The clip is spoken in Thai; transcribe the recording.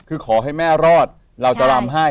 คือขอให้แม่รอดเราจะรำให้